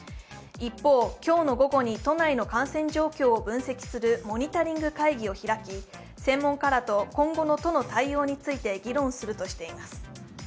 一方、今日の午後に都内の感染状況を分析するモニタリング会議を開き、専門家らと今後の都の対応について議論するとしています。